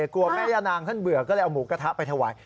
กลัวแม่ย่านางท่านเบื่อก็เลยเอาหมูกระทะไปถวาย